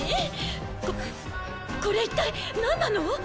ここれ一体何なの？